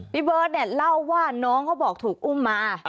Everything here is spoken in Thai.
พี่เบิร์ตเนี่ยเล่าว่าน้องเขาบอกถูกอุ้มมา